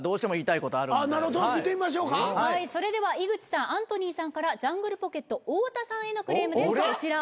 はいそれでは井口さんアントニーさんからジャングルポケット太田さんへのクレームですこちら。